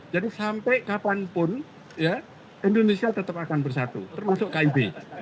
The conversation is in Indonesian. jadi sampai kapanpun indonesia tetap akan bersatu termasuk kib